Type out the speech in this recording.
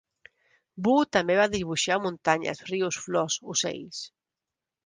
Wu també va dibuixar muntanyes, rius, flors, ocells.